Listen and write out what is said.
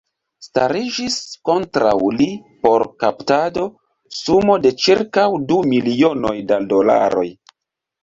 Stariĝis kontraŭ li por kaptado sumo de ĉirkaŭ du milionoj da dolaroj.